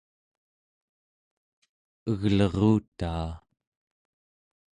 eglerutaa